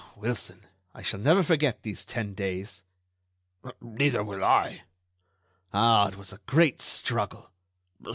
Wilson, I shall never forget these ten days." "Neither will I." "Ah! it was a great struggle!"